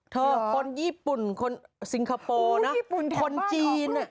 คนญี่ปุ่นคนสิงคโปร์นะคนจีน